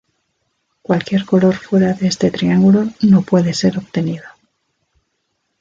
Cualquier color fuera de este triángulo no puede ser obtenido.